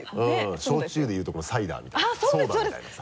焼酎で言うところのサイダーみたいなソーダみたいなさ。